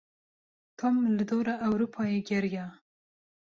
Tom li dora Ewropayê geriya.